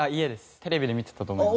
テレビで見てたと思います。